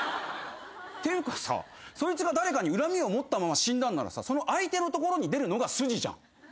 ていうかさそいつが誰かに恨みを持ったまま死んだんならさその相手のところに出るのが筋じゃん。